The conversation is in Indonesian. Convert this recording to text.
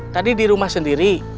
tadi di rumah sendiri